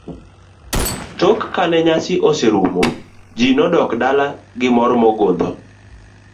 Tok kane nyasi oserumo ji nodok dala gi mor mogundho.